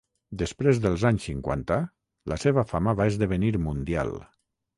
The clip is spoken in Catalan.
Després dels anys cinquanta la seva fama va esdevenir mundial.